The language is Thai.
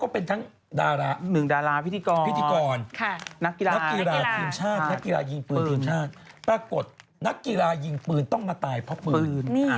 ปรากฏนักกีฬายิงปืนต้องมาตายเพราะปืน